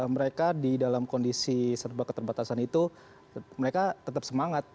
mereka di dalam kondisi serba keterbatasan itu mereka tetap semangat